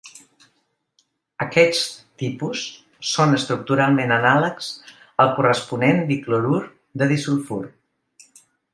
Aquests tipus són estructuralment anàlegs al corresponent diclorur de disulfur.